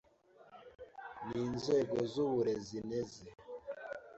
n’inzego z’uburezi neze